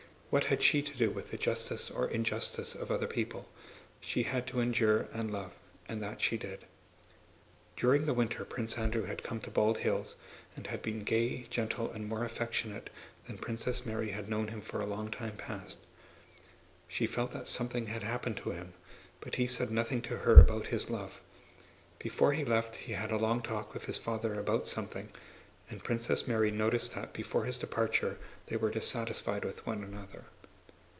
What had she to do with the justice or injustice of other people? She had to endure and love, and that she did. During the winter Prince Andrew had come to Bald Hills and had been gay, gentle, and more affectionate than Princess Mary had known him for a long time past. She felt that something had happened to him, but he said nothing to her about his love. Before he left he had a long talk with his father about something, and Princess Mary noticed that before his departure they were dissatisfied with one another.